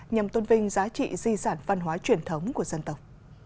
nhằm tôn vinh giá trị di sản văn hóa truyền thống của dân tộc